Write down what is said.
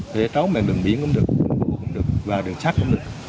thế trống mạng đường biển cũng được đường bộ cũng được và đường sát cũng được